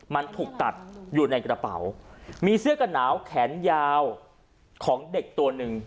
มันถูกตัดอยู่ในกระเป๋ามีเสื้อกระหนาวแขนยาวของเด็กตัวหนึ่ง